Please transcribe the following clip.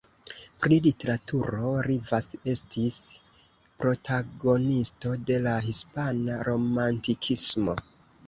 Pri literaturo, Rivas estis protagonisto de la hispana romantikismo.